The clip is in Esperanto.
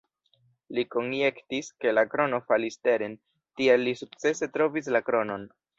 Li konjektis, ke la krono falis teren, tial li sukcese trovis la kronon.